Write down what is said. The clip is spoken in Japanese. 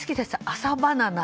朝バナナ。